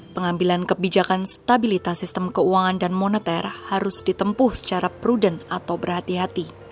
pengambilan kebijakan stabilitas sistem keuangan dan moneter harus ditempuh secara prudent atau berhati hati